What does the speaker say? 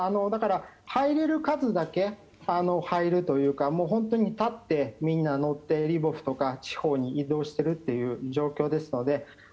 だから、入れる数だけ入るというか本当に立ってみんな乗って地方に移動しているという状況ですので。